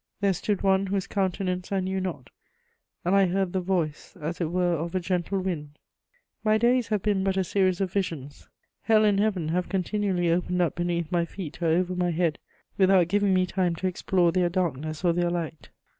There stood one whose countenance I knew not ... and I heard the voice as it were of a gentle wind." My days have been but a series of visions; Hell and Heaven have continually opened up beneath my feet or over my head, without giving me time to explore their darkness or their light.